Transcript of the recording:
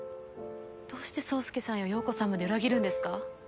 どうして宗介さんや葉子さんまで裏切るんですか？